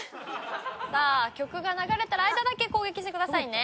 さあ曲が流れてる間だけ攻撃してくださいね。